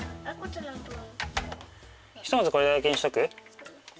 ひとまずこれだけにしとく？